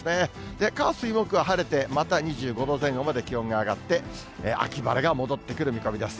で、火、水、木は晴れて、また２５度前後まで気温が上がって、秋晴れが戻ってくる見込みです。